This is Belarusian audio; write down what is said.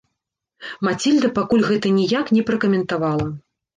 Мацільда пакуль гэта ніяк не пракаментавала.